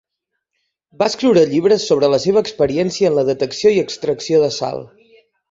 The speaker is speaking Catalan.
Va escriure llibres sobre la seva experiència en la detecció i extracció de sal.